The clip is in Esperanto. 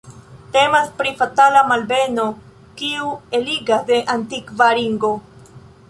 Temas pri fatala malbeno kiu eligas de antikva ringo.